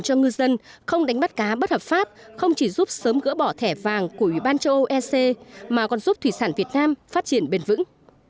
cho ngư dân không đánh bắt cá bất hợp pháp không chỉ giúp sớm gỡ bỏ thẻ vàng của ủy ban châu âu ec mà còn giúp thủy sản việt nam phát triển bền vững